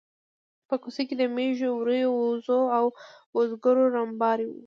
په کوڅو کې د مېږو، وريو، وزو او وزګړو رمبهار و.